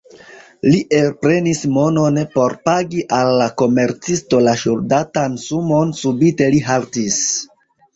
Li elprenis monon, por pagi al la komercisto la ŝuldatan sumon, subite li haltis.